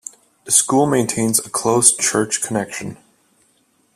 The school maintains a close church connection.